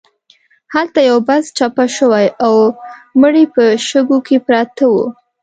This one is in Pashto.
هلته یو بس چپه شوی و او مړي په شګو کې پراته وو.